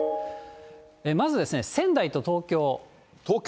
まずですね、仙台と東京。